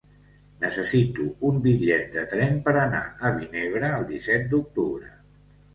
Necessito un bitllet de tren per anar a Vinebre el disset d'octubre.